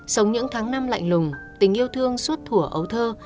sống những tháng năm lạnh lùng tình yêu thương suốt thủa ấu thơ